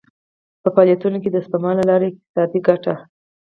په فعالیتونو کې د سپما له لارې اقتصادي ګټه.